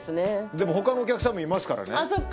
でも他のお客さんもいますからね。